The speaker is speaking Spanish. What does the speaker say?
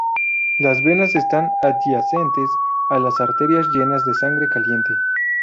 Las venas están adyacentes a las arterias llenas de sangre caliente.